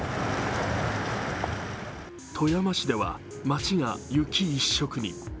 富山市では町が雪一色に。